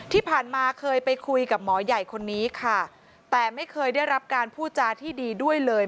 ที่ผ่านมาเคยไปคุยกับหมอใหญ่คนนี้ค่ะแต่ไม่เคยได้รับการพูดจาที่ดีด้วยเลย